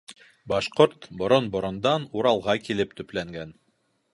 Башҡорт борон-борондан Уралға килеп төпләнгән.